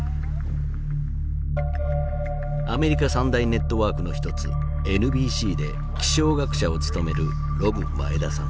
アメリカ三大ネットワークの一つＮＢＣで気象学者を務めるロブ・マエダさん。